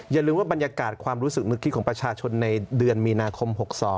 อย่าลืมว่าบรรยากาศความรู้สึกนึกคิดของประชาชนในเดือนมีนาคม๖๒